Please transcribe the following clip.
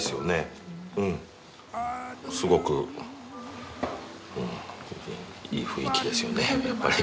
すごくいい雰囲気ですよねやっぱり。